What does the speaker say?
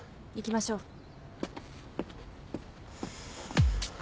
行きましょう。